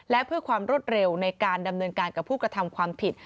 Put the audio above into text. และเพื่อความรวดเร็วในการดำเนินการกับผู้กระทำความผิด